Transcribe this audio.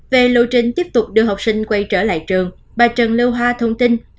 về lộ trình tiếp tục đưa học sinh quay trở lại trường bà trần lưu hoa thông tin